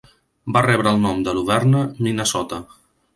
Va rebre el nom de Luverne, Minnesota.